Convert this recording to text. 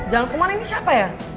jalan kemarin ini siapa ya